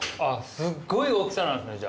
すっごい大きさなんですねじゃあ。